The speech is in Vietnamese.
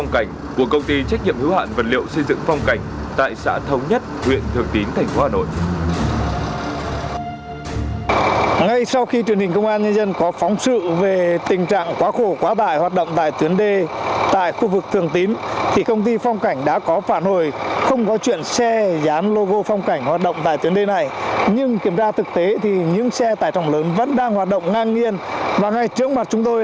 khu vực trạm trộn bê tông phong cảnh của công ty trách nhiệm hữu hạn vật liệu xây dựng phong cảnh tại xã thống nhất huyện thường tín thành phố hà nội